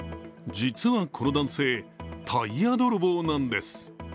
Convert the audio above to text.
実はこの男性タイヤ泥棒なんです。